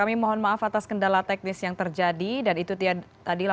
apakah ada penambahan korban meninggal